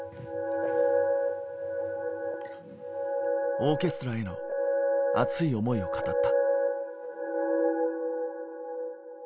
オーケストラへの熱い思いを語った。